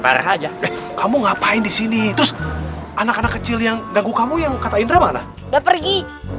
bareh aja deh kamu ngapain di sini terus anak anak kecil yang ganggu kamu yang kata indra mana dan pergi